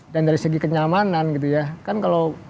dan dari segi kenyamanan gitu ya kan kalau